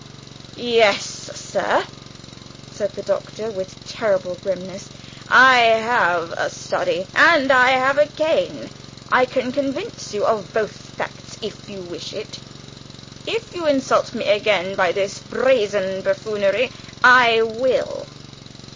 "Yes, sir," said the Doctor with terrible grimness, "I have a study and I have a cane. I can convince you of both facts, if you wish it. If you insult me again by this brazen buffoonery, I will!